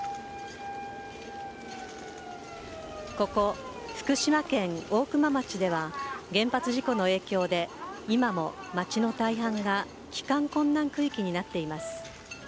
ここ、福島県大熊町では原発事故の影響で今も町の大半が帰還困難区域になっています。